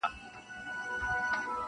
• چرګه زما ده او هګۍ د بل کره اچوي -